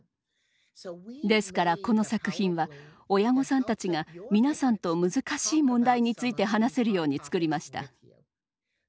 ですからこの作品は親御さんたちが皆さんと難しい問題について話せるように作りました。